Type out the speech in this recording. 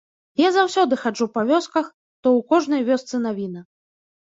Я заўсёды хаджу па вёсках, то ў кожнай вёсцы навіна.